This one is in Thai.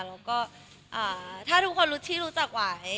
แล้วก็ถ้าทุกคนรู้ที่รู้จักไหว